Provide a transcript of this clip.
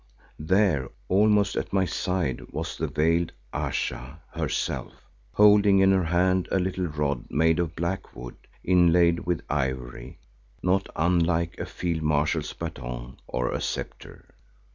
there, almost at my side was the veiled Ayesha herself, holding in her hand a little rod made of black wood inlaid with ivory not unlike a field marshal's baton, or a sceptre.